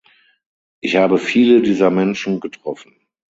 Ich habe viele dieser Menschen getroffen.